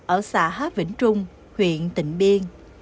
ở xã há vĩnh trung huyện tịnh biên